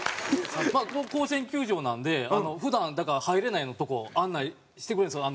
まあ甲子園球場なので普段入れないようなとこを案内してくれるんですよ